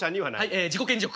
え自己顕示欲。